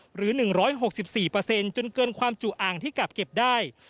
หรือ๑๖๔จนเกินความจุอ่างที่กลับเก็บได้